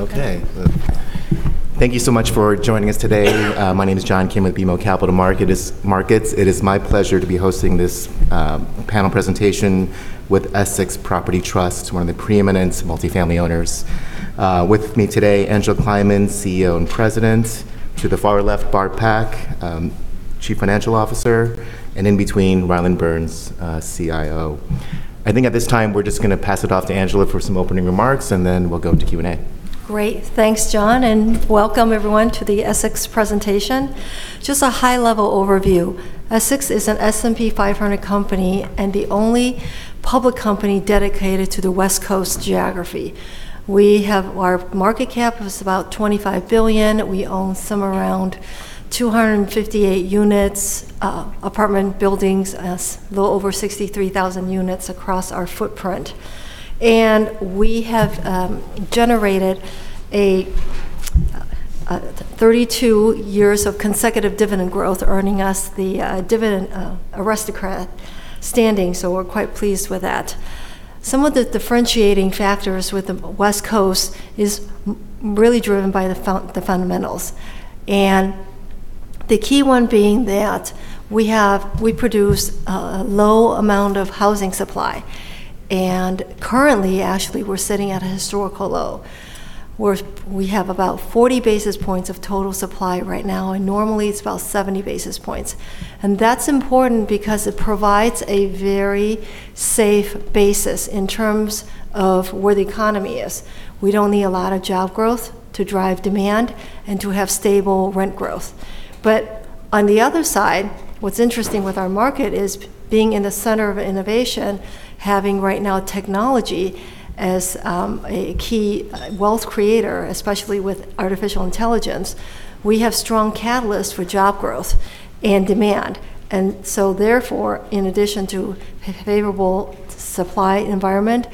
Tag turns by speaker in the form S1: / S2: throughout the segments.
S1: Okay. Thank you so much for joining us today. My name is John Kim with BMO Capital Markets. It is my pleasure to be hosting this panel presentation with Essex Property Trust, one of the preeminent multifamily owners. With me today, Angela Kleiman, CEO and President. To the far left, Barb Pak, Chief Financial Officer, and in between, Rylan Burns, CIO. I think at this time, we're just going to pass it off to Angela for some opening remarks, and then we'll go to Q&A.
S2: Great. Thanks, John, and welcome everyone to the Essex presentation. Just a high-level overview. Essex Property Trust is an S&P 500 company and the only public company dedicated to the West Coast geography. Our market cap is about $25 billion. We own some around 258 units, apartment buildings, a little over 63,000 units across our footprint. We have generated 32 years of consecutive dividend growth, earning us the Dividend Aristocrat standing, so we're quite pleased with that. Some of the differentiating factors with the West Coast is really driven by the fundamentals. The key one being that we produce a low amount of housing supply. Currently, actually, we're sitting at a historical low, where we have about 40 basis points of total supply right now, and normally it's about 70 basis points. That's important because it provides a very safe basis in terms of where the economy is. We don't need a lot of job growth to drive demand and to have stable rent growth. On the other side, what's interesting with our market is being in the center of innovation, having right now technology as a key wealth creator, especially with artificial intelligence. We have strong catalysts for job growth and demand. Therefore, in addition to a favorable supply environment,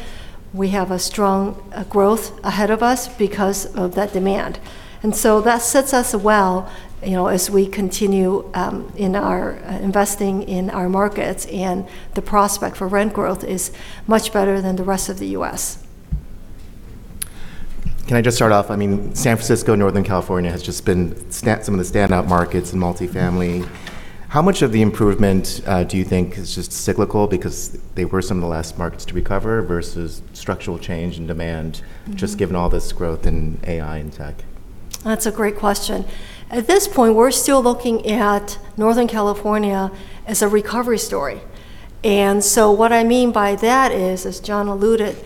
S2: we have a strong growth ahead of us because of that demand. That sets us well as we continue in our investing in our markets, and the prospect for rent growth is much better than the rest of the U.S.
S1: Can I just start off? San Francisco, Northern California has just been some of the standout markets in multifamily. How much of the improvement do you think is just cyclical because they were some of the last markets to recover versus structural change in demand, just given all this growth in AI and tech?
S2: That's a great question. At this point, we're still looking at Northern California as a recovery story. What I mean by that is, as John alluded,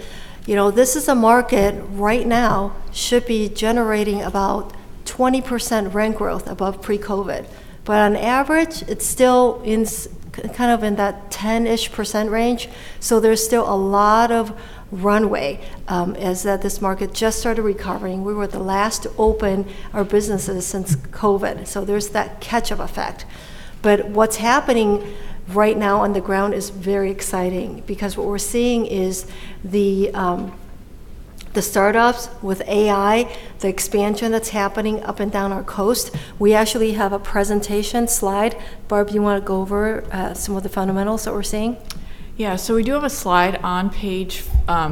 S2: this is a market right now should be generating about 20% rent growth above pre-COVID. On average, it's still in that 10%-ish range. There's still a lot of runway, as that this market just started recovering. We were the last to open our businesses since COVID. There's that catch-up effect. What's happening right now on the ground is very exciting because what we're seeing is the startups with AI, the expansion that's happening up and down our coast. We actually have a presentation slide. Barb, you want to go over some of the fundamentals that we're seeing?
S3: Yeah. We do have a slide on page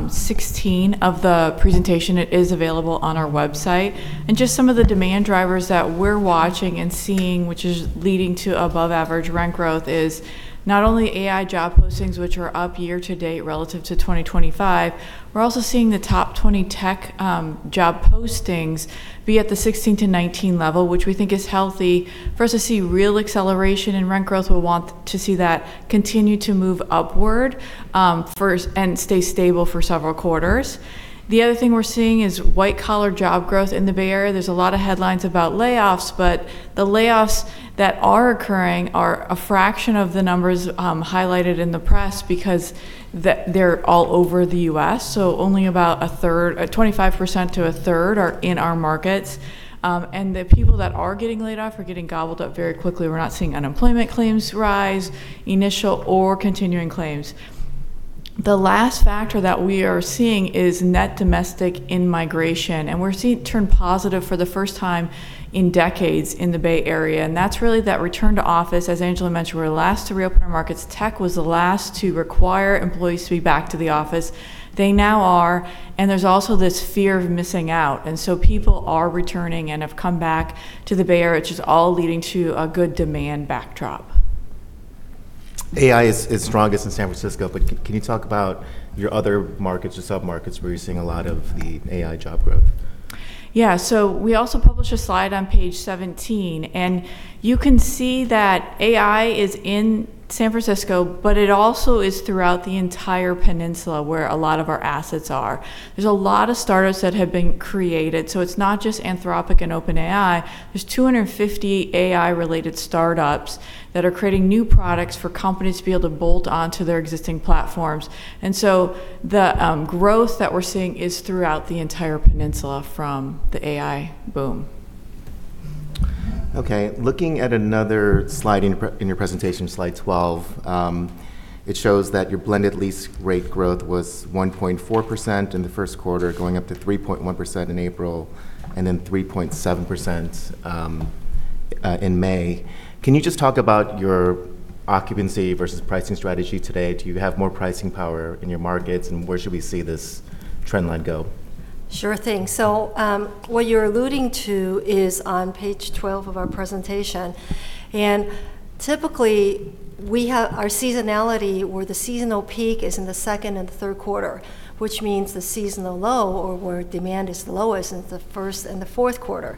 S3: 16 of the presentation. It is available on our website. Just some of the demand drivers that we're watching and seeing, which is leading to above-average rent growth, is not only AI job postings, which are up year to date relative to 2025. We're also seeing the top 20 tech job postings be at the 16 to 19 level, which we think is healthy. For us to see real acceleration in rent growth, we'll want to see that continue to move upward first and stay stable for several quarters. The other thing we're seeing is white-collar job growth in the Bay Area. There's a lot of headlines about layoffs, but the layoffs that are occurring are a fraction of the numbers highlighted in the press because they're all over the U.S., so only about 25% to a third are in our markets. The people that are getting laid off are getting gobbled up very quickly. We're not seeing unemployment claims rise, initial or continuing claims. The last factor that we are seeing is net domestic in-migration, and we're seeing it turn positive for the first time in decades in the Bay Area. That's really that return to office. As Angela mentioned, we were the last to reopen our markets. Tech was the last to require employees to be back to the office. They now are, and there's also this fear of missing out. People are returning and have come back to the Bay Area, which is all leading to a good demand backdrop.
S1: AI is strongest in San Francisco, but can you talk about your other markets or sub-markets where you're seeing a lot of the AI job growth?
S3: Yeah. We also published a slide on page 17, and you can see that AI is in San Francisco, but it also is throughout the entire peninsula where a lot of our assets are. There's a lot of startups that have been created, so it's not just Anthropic and OpenAI. There's 250 AI-related startups that are creating new products for companies to be able to bolt onto their existing platforms. The growth that we're seeing is throughout the entire peninsula from the AI boom.
S1: Okay. Looking at another slide in your presentation, slide 12, it shows that your blended lease rate growth was 1.4% in the first quarter, going up to 3.1% in April, and then 3.7% in May. Can you just talk about your occupancy versus pricing strategy today? Do you have more pricing power in your markets, and where should we see this trend line go?
S2: Sure thing. What you're alluding to is on page 12 of our presentation. Typically, our seasonality where the seasonal peak is in the second and third quarter, which means the seasonal low or where demand is lowest is the first and the fourth quarter.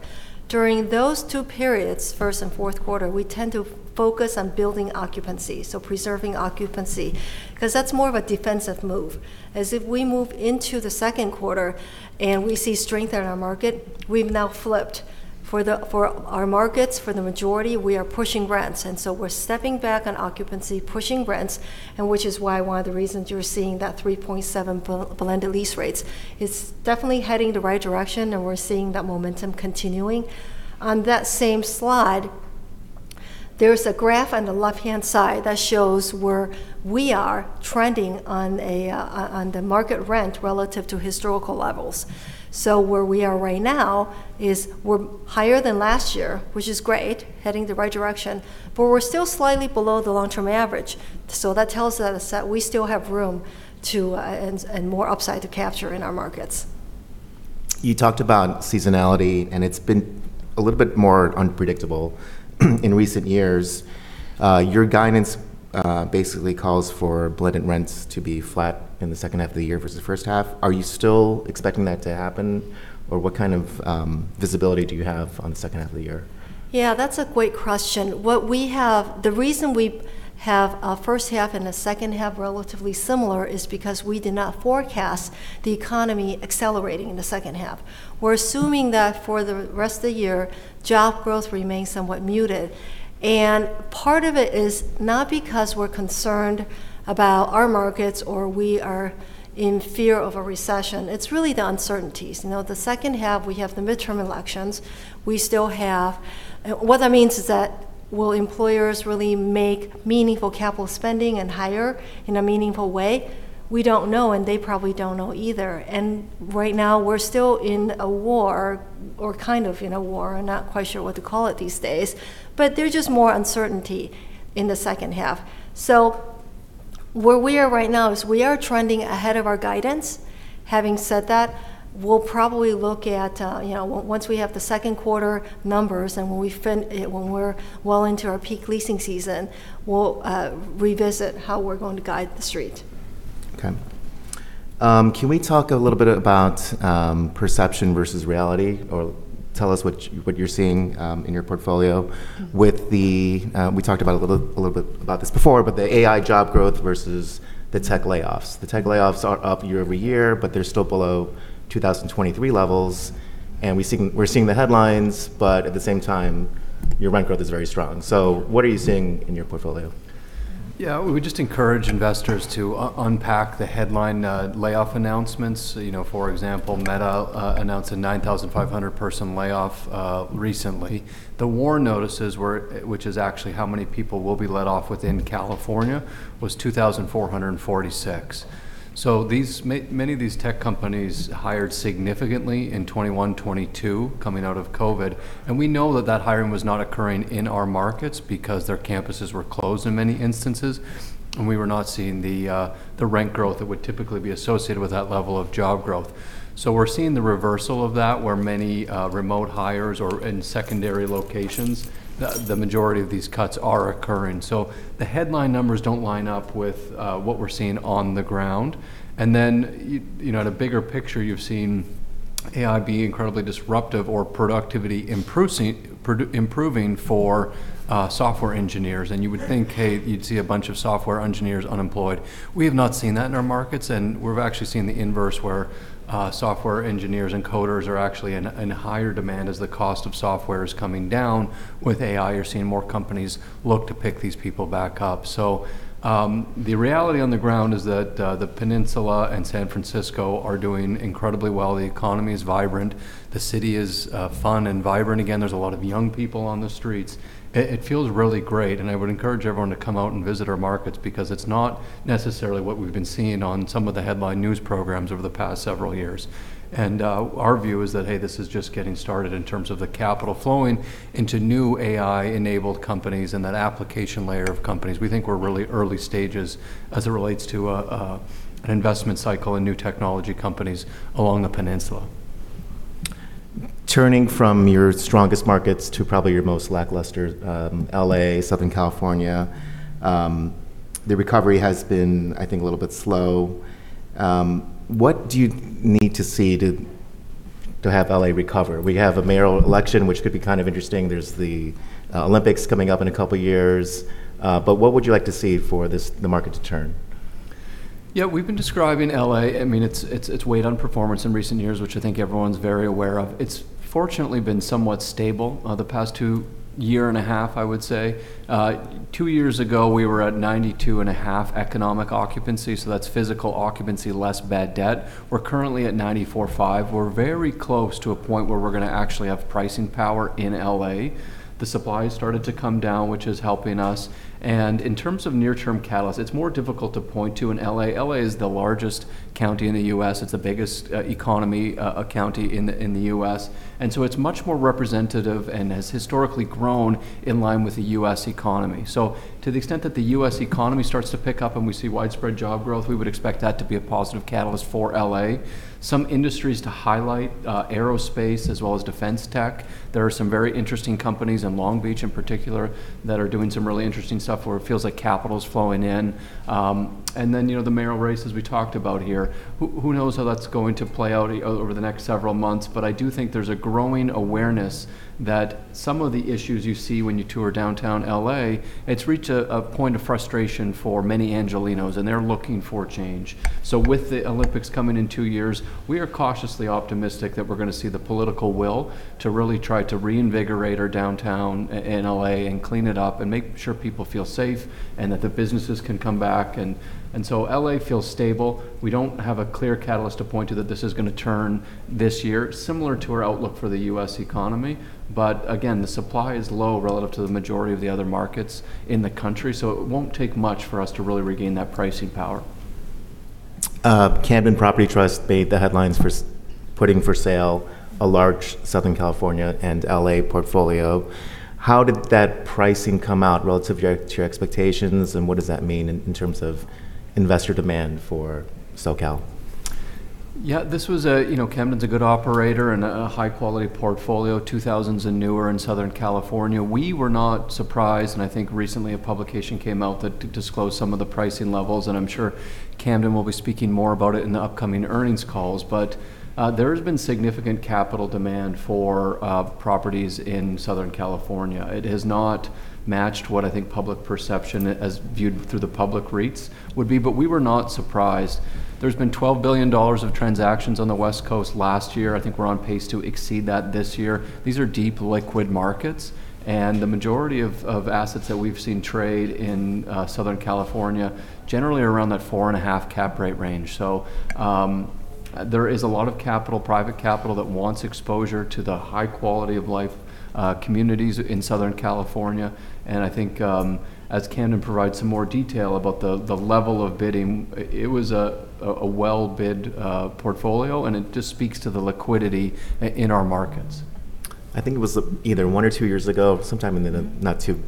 S2: During those two periods, first and fourth quarter, we tend to focus on building occupancy, so preserving occupancy. That's more of a defensive move. If we move into the second quarter and we see strength in our market, we've now flipped. For our markets, for the majority, we are pushing rents. We're stepping back on occupancy, pushing rents, and which is why one of the reasons you're seeing that 3.7 blended lease rates. It's definitely heading the right direction and we're seeing that momentum continuing. On that same slide, there's a graph on the left-hand side that shows where we are trending on the market rent relative to historical levels. Where we are right now is we're higher than last year, which is great, heading the right direction, but we're still slightly below the long-term average. That tells us that we still have room and more upside to capture in our markets.
S1: You talked about seasonality, and it's been a little bit more unpredictable in recent years. Your guidance basically calls for blended rents to be flat in the second half of the year versus the first half. Are you still expecting that to happen? Or what kind of visibility do you have on the second half of the year?
S2: That's a great question. The reason we have a first half and a second half relatively similar is because we did not forecast the economy accelerating in the second half. We're assuming that for the rest of the year, job growth remains somewhat muted. Part of it is not because we're concerned about our markets or we are in fear of a recession. It's really the uncertainties. The second half, we have the midterm elections. What that means is that will employers really make meaningful capital spending and hire in a meaningful way? We don't know, and they probably don't know either. Right now, we're still in a war, or kind of in a war. I'm not quite sure what to call it these days. There's just more uncertainty in the second half. Where we are right now is we are trending ahead of our guidance. Having said that, once we have the second quarter numbers and when we're well into our peak leasing season, we'll revisit how we're going to guide the street.
S1: Can we talk a little bit about perception versus reality? Tell us what you're seeing in your portfolio. We talked a little bit about this before, the AI job growth versus the tech layoffs. The tech layoffs are up year-over-year, they're still below 2023 levels. We're seeing the headlines, at the same time, your rent growth is very strong. What are you seeing in your portfolio?
S4: Yeah. We just encourage investors to unpack the headline layoff announcements. For example, Meta announced a 9,500-person layoff recently. The WARN notices, which is actually how many people will be laid off within California, was 2,446. Many of these tech companies hired significantly in 2021, 2022, coming out of COVID. We know that that hiring was not occurring in our markets because their campuses were closed in many instances, and we were not seeing the rent growth that would typically be associated with that level of job growth. We're seeing the reversal of that, where many remote hires or in secondary locations, the majority of these cuts are occurring. The headline numbers don't line up with what we're seeing on the ground. At a bigger picture, you've seen AI be incredibly disruptive or productivity improving for software engineers. You would think, hey, you'd see a bunch of software engineers unemployed. We have not seen that in our markets, and we've actually seen the inverse, where software engineers and coders are actually in higher demand as the cost of software is coming down. With AI, you're seeing more companies look to pick these people back up. The reality on the ground is that the Peninsula and San Francisco are doing incredibly well. The economy is vibrant. The city is fun and vibrant again. There's a lot of young people on the streets. It feels really great, and I would encourage everyone to come out and visit our markets because it's not necessarily what we've been seeing on some of the headline news programs over the past several years. Our view is that, hey, this is just getting started in terms of the capital flowing into new AI-enabled companies and that application layer of companies. We think we're really early stages as it relates to an investment cycle in new technology companies along the Peninsula.
S1: Turning from your strongest markets to probably your most lackluster, L.A., Southern California. The recovery has been, I think, a little bit slow. What do you need to see to have L.A. recover? We have a mayoral election, which could be kind of interesting. There's the Olympics coming up in a couple of years. What would you like to see for the market to turn?
S4: Yeah, we've been describing L.A., its weight on performance in recent years, which I think everyone's very aware of. It's fortunately been somewhat stable the past two year and a half, I would say. Two years ago, we were at 92.5% economic occupancy, so that's physical occupancy less bad debt. We're currently at 94.5%. We're very close to a point where we're going to actually have pricing power in L.A. The supply has started to come down, which is helping us, and in terms of near-term catalyst, it's more difficult to point to in L.A. L.A. is the largest county in the U.S. It's the biggest economy county in the U.S., and so it's much more representative and has historically grown in line with the U.S. economy. To the extent that the U.S. economy starts to pick up and we see widespread job growth, we would expect that to be a positive catalyst for L.A. Some industries to highlight, aerospace as well as defense tech. There are some very interesting companies in Long Beach in particular that are doing some really interesting stuff where it feels like capital's flowing in. The mayoral race, as we talked about here. Who knows how that's going to play out over the next several months, but I do think there's a growing awareness that some of the issues you see when you tour downtown L.A., it's reached a point of frustration for many Angelenos, and they're looking for change. With the Olympics coming in two years, we are cautiously optimistic that we're going to see the political will to really try to reinvigorate our downtown in L.A. and clean it up and make sure people feel safe and that the businesses can come back. L.A. feels stable. We don't have a clear catalyst to point to that this is going to turn this year, similar to our outlook for the U.S. economy. Again, the supply is low relative to the majority of the other markets in the country, so it won't take much for us to really regain that pricing power.
S1: Camden Property Trust made the headlines for putting for sale a large Southern California and L.A. portfolio. How did that pricing come out relative to your expectations, and what does that mean in terms of investor demand for SoCal?
S4: Yeah. Camden's a good operator and a high-quality portfolio, 2000s and newer in Southern California. We were not surprised, and I think recently a publication came out that disclosed some of the pricing levels, and I'm sure Camden will be speaking more about it in the upcoming earnings calls. There has been significant capital demand for properties in Southern California. It has not matched what I think public perception as viewed through the public rates would be, but we were not surprised. There's been $12 billion of transactions on the West Coast last year. I think we're on pace to exceed that this year. These are deep liquid markets, and the majority of assets that we've seen trade in Southern California, generally around that four and a half cap rate range. There is a lot of capital, private capital that wants exposure to the high quality of life communities in Southern California. I think, as Camden provides some more detail about the level of bidding, it was a well-bid portfolio, and it just speaks to the liquidity in our markets.
S1: I think it was either one or two years ago, sometime in the not too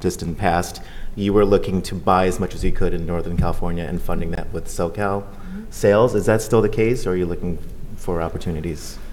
S1: distant past, you were looking to buy as much as you could in Northern California and funding that with SoCal sales. Is that still the case, or are you looking for opportunities in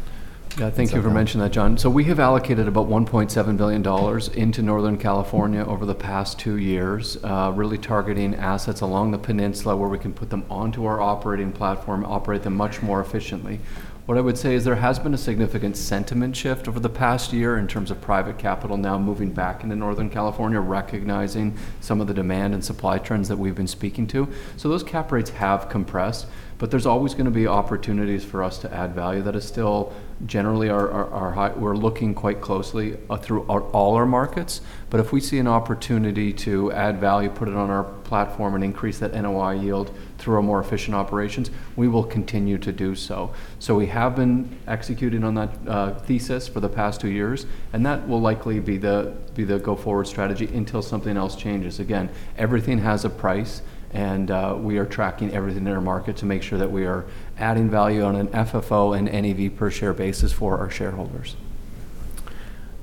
S1: SoCal?
S4: Yeah, thank you for mentioning that, John. We have allocated about $1.7 billion into Northern California over the past two years, really targeting assets along the peninsula where we can put them onto our operating platform, operate them much more efficiently. What I would say is there has been a significant sentiment shift over the past year in terms of private capital now moving back into Northern California, recognizing some of the demand and supply trends that we've been speaking to. Those cap rates have compressed, but there's always going to be opportunities for us to add value. That is still generally our high. We're looking quite closely through all our markets, but if we see an opportunity to add value, put it on our platform, and increase that NOI yield through our more efficient operations, we will continue to do so. We have been executing on that thesis for the past two years, and that will likely be the go-forward strategy until something else changes. Again, everything has a price, and we are tracking everything in our market to make sure that we are adding value on an FFO and NAV per share basis for our shareholders.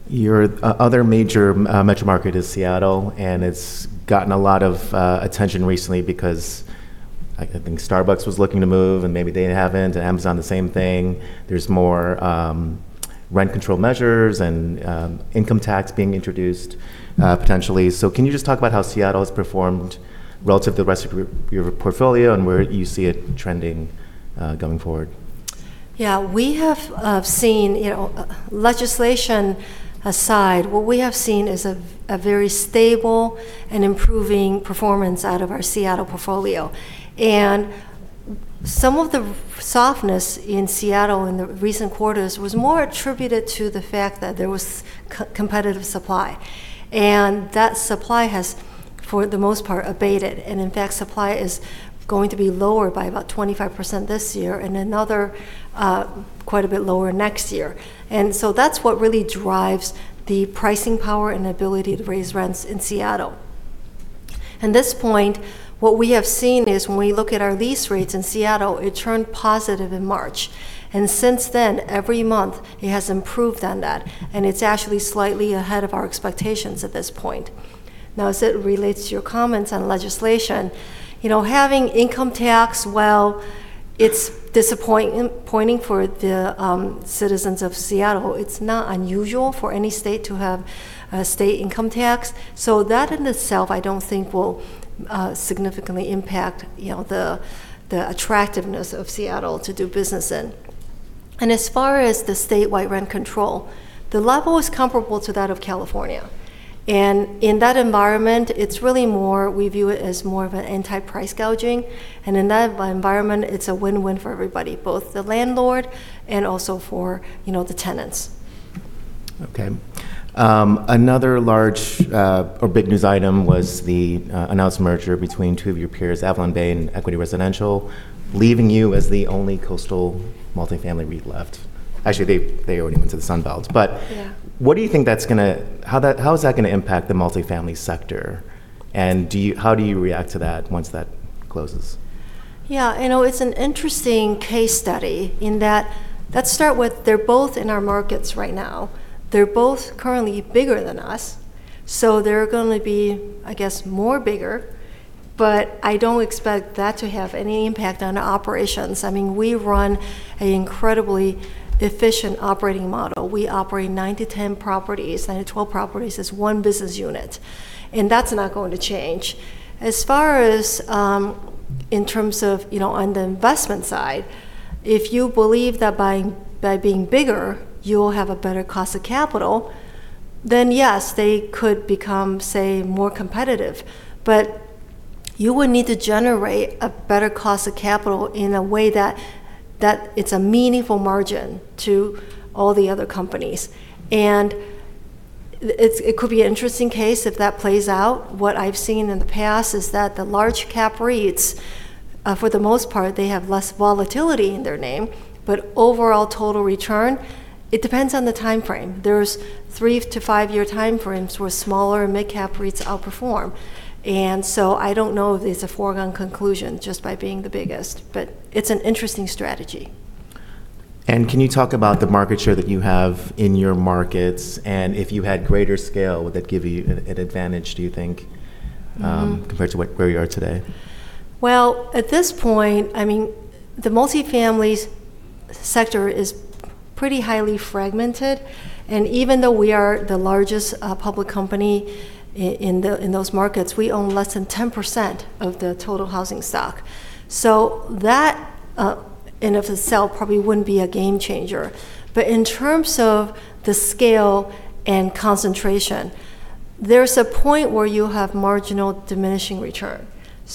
S1: Your other major metro market is Seattle, and it's gotten a lot of attention recently because I think Starbucks was looking to move, and maybe they haven't, and Amazon, the same thing. There's more rent control measures and income tax being introduced potentially. Can you just talk about how Seattle has performed relative to the rest of your portfolio and where you see it trending going forward?
S2: Yeah. Legislation aside, what we have seen is a very stable and improving performance out of our Seattle portfolio. Some of the softness in Seattle in the recent quarters was more attributed to the fact that there was competitive supply. That supply has, for the most part, abated, and in fact, supply is going to be lower by about 25% this year and another quite a bit lower next year. That's what really drives the pricing power and ability to raise rents in Seattle. In this point, what we have seen is when we look at our lease rates in Seattle, it turned positive in March. Since then, every month, it has improved on that, and it's actually slightly ahead of our expectations at this point. Now, as it relates to your comments on legislation, having income tax, while it's disappointing for the citizens of Seattle, it's not unusual for any state to have a state income tax. That in itself, I don't think will significantly impact the attractiveness of Seattle to do business in. As far as the statewide rent control, the level is comparable to that of California. In that environment, we view it as more of an anti-price gouging. In that environment, it's a win-win for everybody, both the landlord and also for the tenants.
S1: Okay. Another large or big news item was the announced merger between two of your peers, AvalonBay and Equity Residential, leaving you as the only coastal multifamily REIT left. Actually, they already went to the Sun Belt.
S2: Yeah.
S1: How is that going to impact the multifamily sector, and how do you react to that once that closes?
S2: Yeah. It's an interesting case study in that, let's start with they're both in our markets right now. They're both currently bigger than us, so they're going to be, I guess, more bigger, but I don't expect that to have any impact on our operations. We run an incredibly efficient operating model. We operate 9-12 properties as one business unit, and that's not going to change. As far as in terms of on the investment side, if you believe that by being bigger, you will have a better cost of capital, then yes, they could become, say, more competitive. You would need to generate a better cost of capital in a way that it's a meaningful margin to all the other companies. It could be an interesting case if that plays out. What I've seen in the past is that the large cap REITs, for the most part, they have less volatility in their name, but overall total return, it depends on the timeframe. There's three to five-year timeframes where smaller mid-cap REITs outperform. I don't know if it's a foregone conclusion just by being the biggest, but it's an interesting strategy.
S1: Can you talk about the market share that you have in your markets, and if you had greater scale, would that give you an advantage, do you think, compared to where you are today?
S2: Well, at this point, the multifamily sector is pretty highly fragmented, and even though we are the largest public company in those markets, we own less than 10% of the total housing stock. That in of itself probably wouldn't be a game changer. In terms of the scale and concentration, there's a point where you have marginal diminishing return.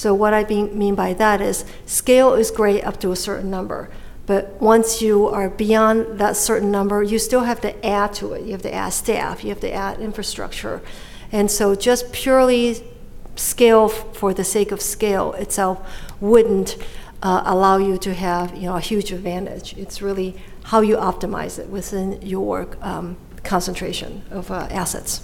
S2: What I mean by that is scale is great up to a certain number, but once you are beyond that certain number, you still have to add to it. You have to add staff, you have to add infrastructure. Just purely scale for the sake of scale itself wouldn't allow you to have a huge advantage. It's really how you optimize it within your concentration of assets.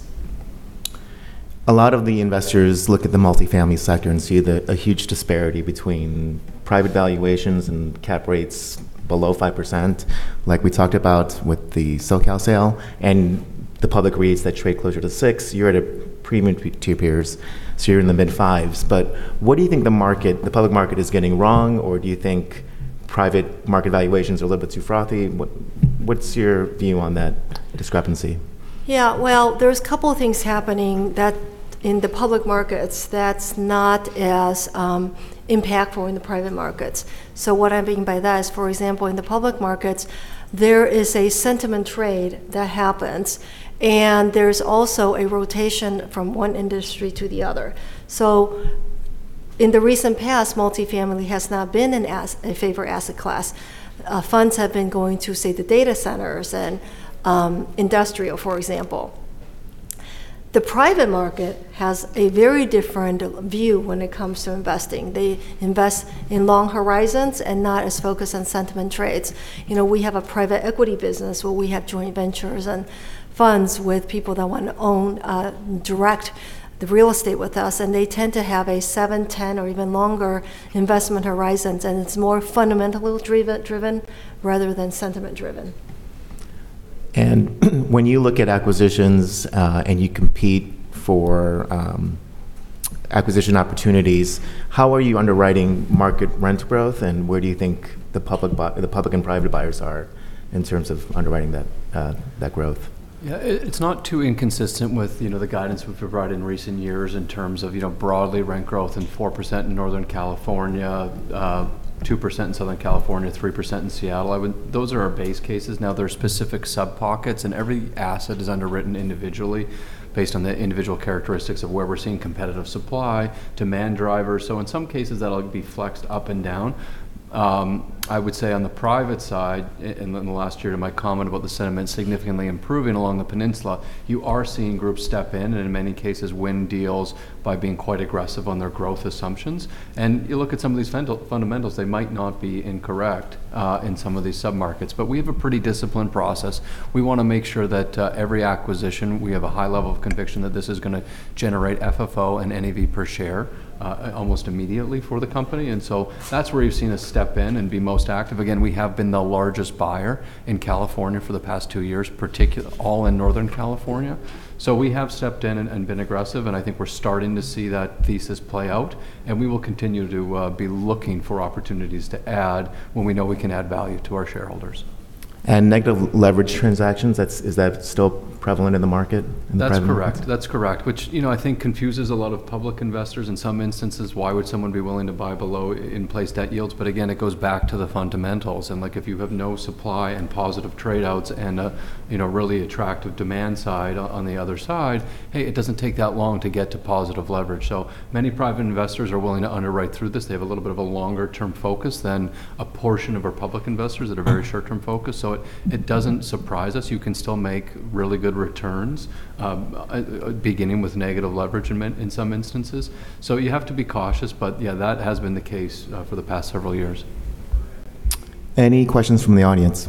S1: A lot of the investors look at the multifamily sector and see that a huge disparity between private valuations and cap rates below 5%, like we talked about with the SoCal sale, and the public REITs that trade closer to six. You're at a premium to your peers, so you're in the mid-5s. What do you think the public market is getting wrong, or do you think private market valuations are a little bit too frothy? What's your view on that discrepancy?
S2: Yeah. Well, there's a couple of things happening in the public markets that's not as impactful in the private markets. What I mean by that is, for example, in the public markets, there is a sentiment trade that happens, and there's also a rotation from one industry to the other. In the recent past, multifamily has not been a favored asset class. Funds have been going to, say, the data centers and industrial, for example. The private market has a very different view when it comes to investing. They invest in long horizons and not as focused on sentiment trades. We have a private equity business where we have joint ventures and funds with people that want to own, direct the real estate with us, and they tend to have a seven, 10, or even longer investment horizons, and it's more fundamentally driven rather than sentiment driven.
S1: When you look at acquisitions, and you compete for acquisition opportunities, how are you underwriting market rent growth, and where do you think the public and private buyers are in terms of underwriting that growth?
S4: Yeah. It's not too inconsistent with the guidance we've provided in recent years in terms of broadly rent growth in 4% in Northern California, 2% in Southern California, 3% in Seattle. Those are our base cases. Now there are specific sub-pockets, and every asset is underwritten individually based on the individual characteristics of where we're seeing competitive supply, demand drivers. In some cases, that'll be flexed up and down. I would say on the private side, in the last year to my comment about the sentiment significantly improving along the peninsula, you are seeing groups step in, and in many cases, win deals by being quite aggressive on their growth assumptions. You look at some of these fundamentals, they might not be incorrect in some of these sub-markets, but we have a pretty disciplined process. We want to make sure that every acquisition, we have a high level of conviction that this is going to generate FFO and NAV per share almost immediately for the company. That's where you've seen us step in and be most active. We have been the largest buyer in California for the past two years, all in Northern California. We have stepped in and been aggressive, and I think we're starting to see that thesis play out, and we will continue to be looking for opportunities to add when we know we can add value to our shareholders.
S1: Negative leverage transactions, is that still prevalent in the market?
S4: That's correct. Which I think confuses a lot of public investors in some instances. Why would someone be willing to buy below in-place debt yields? Again, it goes back to the fundamentals. If you have no supply and positive trade-outs and a really attractive demand side on the other side, hey, it doesn't take that long to get to positive leverage. Many private investors are willing to underwrite through this. They have a little bit of a longer-term focus than a portion of our public investors that are very short-term focused. It doesn't surprise us. You can still make really good returns, beginning with negative leverage in some instances. You have to be cautious, but yeah, that has been the case for the past several years.
S1: Any questions from the audience?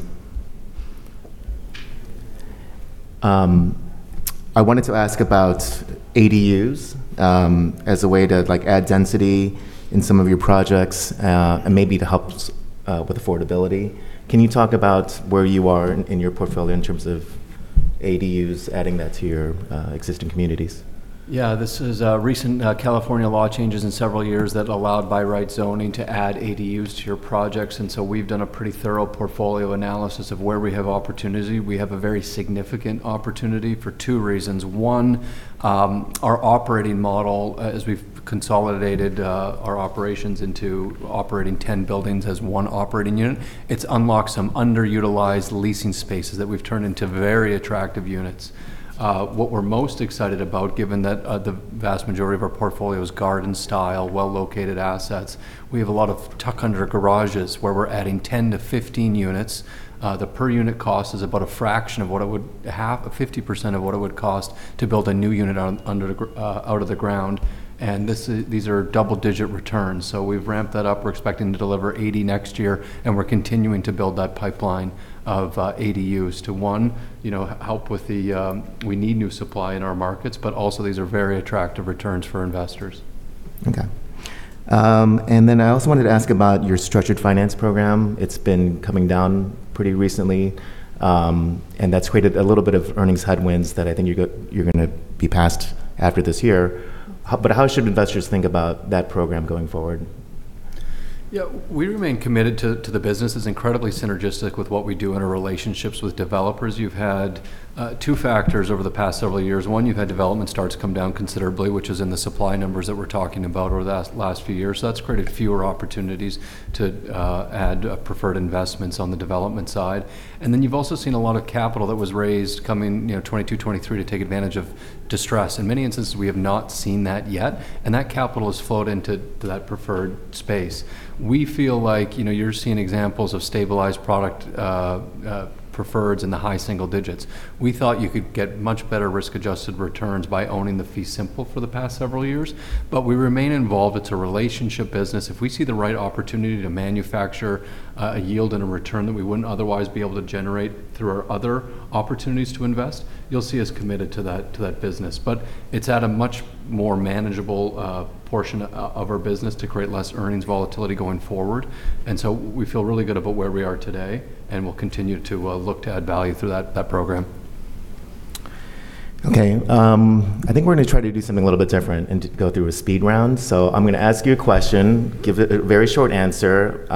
S1: I wanted to ask about ADUs as a way to add density in some of your projects, and maybe to help with affordability. Can you talk about where you are in your portfolio in terms of ADUs, adding that to your existing communities?
S4: Yeah. This is recent California law changes in several years that allowed by-right zoning to add ADUs to your projects. We've done a pretty thorough portfolio analysis of where we have opportunity. We have a very significant opportunity for two reasons. One, our operating model, as we've consolidated our operations into operating 10 buildings as one operating unit, it's unlocked some underutilized leasing spaces that we've turned into very attractive units. What we're most excited about, given that the vast majority of our portfolio is garden-style, well-located assets, we have a lot of tuck under garages where we're adding 10-15 units. The per-unit cost is about a fraction of what it would, half of 50% of what it would cost to build a new unit out of the ground. These are double-digit returns. We've ramped that up. We're expecting to deliver 80 next year, and we're continuing to build that pipeline of ADUs to, one, we need new supply in our markets, but also these are very attractive returns for investors.
S1: Okay. I also wanted to ask about your structured finance program. It's been coming down pretty recently. That's created a little bit of earnings headwinds that I think you're going to be past after this year. How should investors think about that program going forward?
S4: We remain committed to the business. It's incredibly synergistic with what we do in our relationships with developers. You've had two factors over the past several years. One, you've had development starts come down considerably, which is in the supply numbers that we're talking about over the last few years. That's created fewer opportunities to add preferred investments on the development side. You've also seen a lot of capital that was raised come in 2022, 2023 to take advantage of distress. In many instances, we have not seen that yet. That capital has flowed into that preferred space. We feel like you're seeing examples of stabilized product preferreds in the high single digits. We thought you could get much better risk-adjusted returns by owning the fee simple for the past several years. We remain involved. It's a relationship business. If we see the right opportunity to manufacture a yield and a return that we wouldn't otherwise be able to generate through our other opportunities to invest, you'll see us committed to that business. It's at a much more manageable portion of our business to create less earnings volatility going forward. We feel really good about where we are today, and we'll continue to look to add value through that program.
S1: Okay. I think we're going to try to do something a little bit different and go through a speed round. I'm going to ask you a question. Give a very short answer.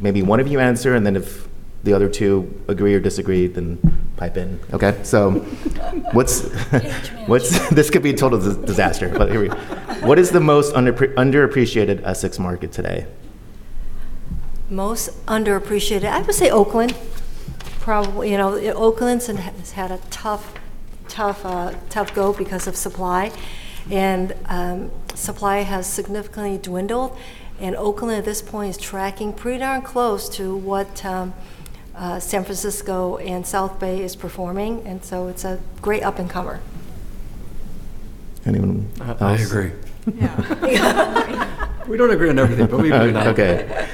S1: Maybe one of you answer, and then if the other two agree or disagree, then pipe in. Okay?
S2: Game of chairs.
S1: this could be a total disaster. Here we go. What is the most underappreciated Essex market today?
S2: Most underappreciated? I would say Oakland probably. Oakland has had a tough go because of supply. Supply has significantly dwindled. Oakland at this point is tracking pretty darn close to what San Francisco and South Bay is performing. It's a great up-and-comer.
S1: Anyone else?
S4: I agree.
S3: Yeah.
S4: We don't agree on everything, but we agree on that.
S1: Okay.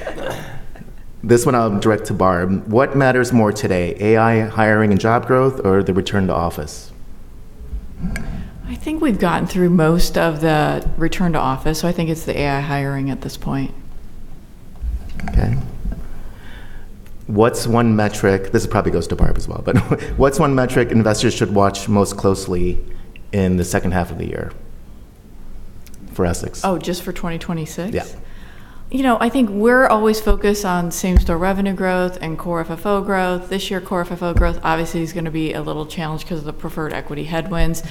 S1: This one I'll direct to Barb. What matters more today, AI hiring and job growth or the return to office?
S3: I think we've gotten through most of the return to office, so I think it's the AI hiring at this point.
S1: Okay. What's one metric, this probably goes to Barb as well, but what's one metric investors should watch most closely in the second half of the year for Essex?
S3: Oh, just for 2026?
S1: Yeah.
S3: I think we're always focused on same-store revenue growth and Core FFO growth. This year, Core FFO growth obviously is going to be a little challenged because of the preferred equity headwinds.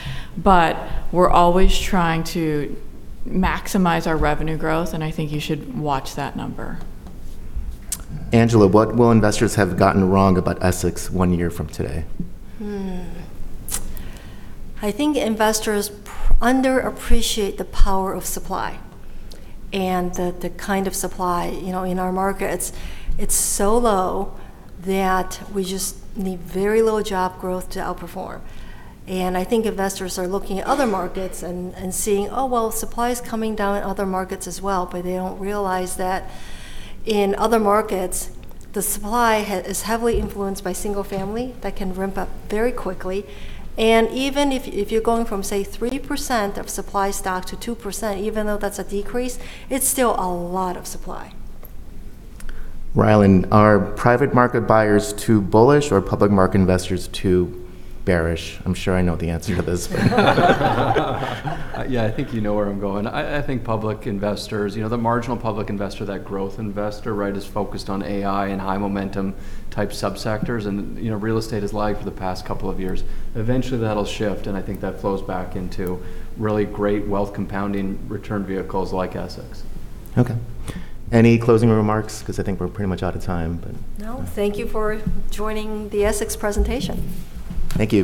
S3: We're always trying to maximize our revenue growth, and I think you should watch that number.
S1: Angela, what will investors have gotten wrong about Essex one year from today?
S2: I think investors underappreciate the power of supply. The kind of supply in our markets, it's so low that we just need very low job growth to outperform. I think investors are looking at other markets and seeing, "well, supply is coming down in other markets as well." They don't realize that in other markets, the supply is heavily influenced by single family. That can ramp up very quickly. Even if you're going from, say, 3% of supply stock to 2%, even though that's a decrease, it's still a lot of supply.
S1: Rylan, are private market buyers too bullish or public market investors too bearish? I'm sure I know the answer to this.
S4: Yeah, I think you know where I'm going. I think public investors, the marginal public investor, that growth investor, right, is focused on AI and high momentum-type subsectors, and real estate is lag for the past couple of years. Eventually, that'll shift, and I think that flows back into really great wealth compounding return vehicles like Essex.
S1: Okay. Any closing remarks? I think we're pretty much out of time.
S2: No. Thank you for joining the Essex presentation.
S1: Thank you.